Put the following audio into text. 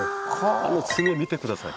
あの爪見て下さい。